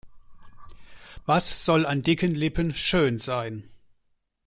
Was soll an dicken Lippen schön sein?